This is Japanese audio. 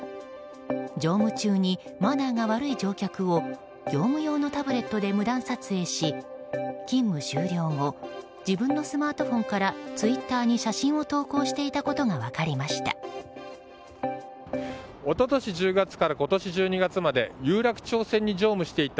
乗務中にマナーが悪い乗客を業務用のタブレットで無断撮影し勤務終了後自分のスマートフォンからツイッターに写真を投稿していたことが分かりました。